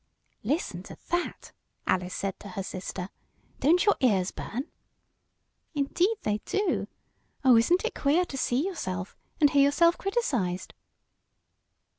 "Listen to that!" Alice said to her sister. "Don't your ears burn?" "Indeed they do. Oh! isn't it queer to see yourself, and hear yourself criticised?"